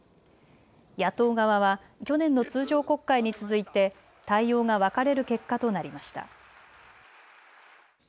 野党側は去年の通常国会に続いて対応が分かれる結果となりました。